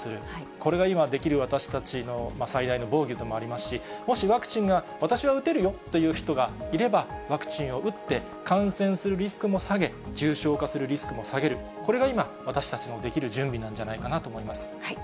これが今できる私たちの最大の防御でもありますし、もしワクチンが私は打てるよという人がいれば、ワクチンを打って、感染するリスクも下げ、重症化するリスクも下げる、これが今、私たちの出来る準備なんじゃないかなと思います。